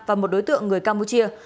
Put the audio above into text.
và một đối tượng người campuchia